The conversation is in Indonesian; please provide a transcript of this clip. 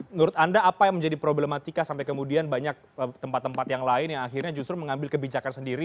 menurut anda apa yang menjadi problematika sampai kemudian banyak tempat tempat yang lain yang akhirnya justru mengambil kebijakan sendiri